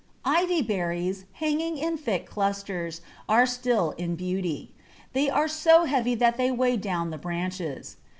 Ivy berries, hanging in thick clusters, are still in beauty; they are so heavy that they weigh down the branches.